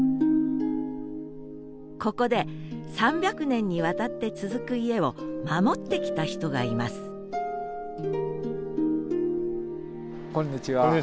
ここで３００年にわたって続く家を守ってきた人がいますこんにちは。